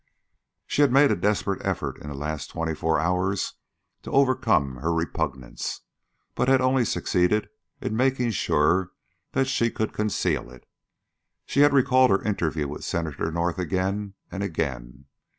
'" She had made a desperate effort in the last twenty four hours to overcome her repugnance, but had only succeeded in making sure that she could conceal it. She had recalled her interview with Senator North again and again.